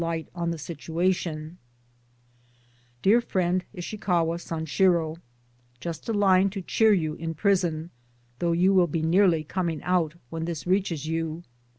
light on the situation : DEAR FRIEND ISHIKAWA SANSHIRO, Just a line to cheer you in prison though you will be nearly coming out when this reaches you.